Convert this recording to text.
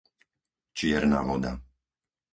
Čierna voda